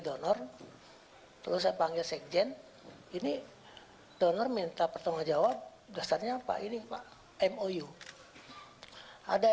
donor terus saya panggil sekjen ini donor minta pertanggung jawab dasarnya apa ini pak mou ada